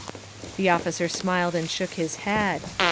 The officer smiled and shook his head.